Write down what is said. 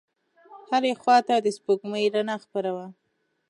هرې خواته د سپوږمۍ رڼا خپره وه.